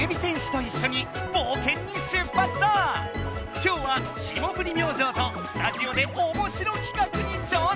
今日は霜降り明星とスタジオでおもしろ企画に挑戦！